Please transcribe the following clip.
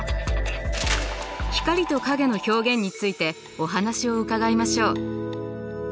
光と影の表現についてお話を伺いましょう。